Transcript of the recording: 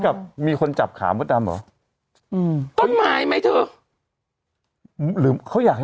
ให้กับพี่หนุ่มวิเคราะห์ว่า